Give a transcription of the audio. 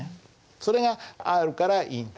それがあるからいいんだ。